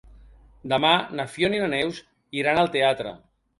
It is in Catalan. Demà na Fiona i na Neus iran al teatre.